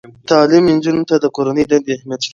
تعلیم نجونو ته د کورنۍ دندې اهمیت ښيي.